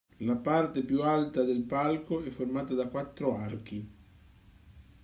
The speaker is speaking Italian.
La parte più alta del "palco" è formata da quattro archi.